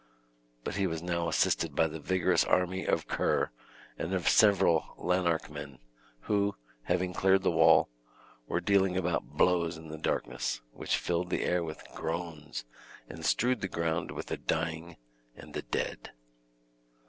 But he was now assisted by the vigorous army of Ker, and of several Lanarkmen, who, having cleared the wall, were dealing about blows in the darkness, which filled the air with groans, and strewed the ground with the dying and the dead.